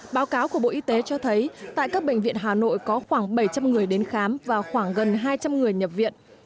báo cáo của bộ y tế cho thấy tại các bệnh viện hà nội có khoảng bảy trăm linh người đến khám và khoảng gần hai trăm linh người nhập viện